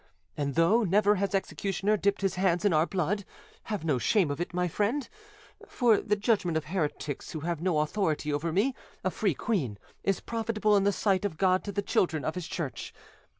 And though never has executioner dipped his hand in our blood, have no shame of it, my friend; for the judgment of heretics who have no authority over me, a free queen, is profitable in the sight of God to the children of His Church.